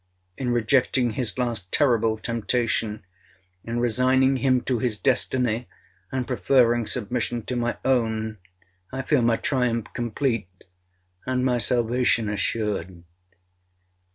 In rejecting his last terrible temptation—in resigning him to his destiny, and preferring submission to my own, I feel my triumph complete, and my salvation assured.'